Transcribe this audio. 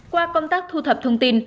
qua công tác thu thập thông tin